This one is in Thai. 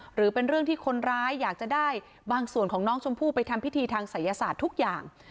หรือเป็นเรื่องที่คนร้ายอยากจะได้บางส่วนของน้องชมพู่ไปทำพิธีทางศัยศาสตร์ทุกอย่าง